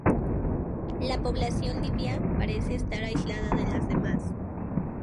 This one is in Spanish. La población libia parece estar aislada de las demás.